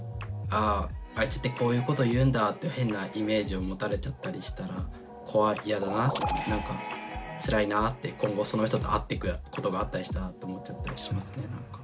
あああいつってこういうことを言うんだって変なイメージを持たれちゃったりしたら怖い嫌だななんかつらいなって今後その人と会ってくことがあったりしたらって思っちゃったりしますねなんか。